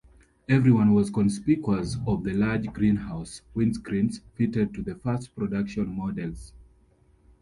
Everyone was suspicious of the large "greenhouse" windscreens fitted to the first production models.